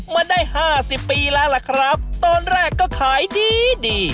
มาได้ห้าสิบปีแล้วล่ะครับตอนแรกก็ขายดีดี